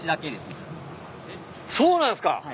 そうなんすか。